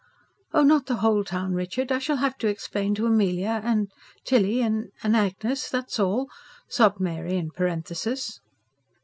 "Oh, not the whole town, Richard. I shall have to explain to Amelia... and Tilly ... and Agnes that's all," sobbed Mary in parenthesis.